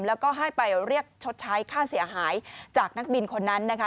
แล้วก็ให้ไปเรียกชดใช้ค่าเสียหายจากนักบินคนนั้นนะคะ